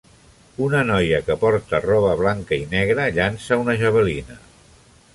Una noia que porta roba blanca i negra llança una javelina